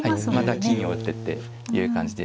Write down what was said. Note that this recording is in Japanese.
また金を打ってっていう感じで。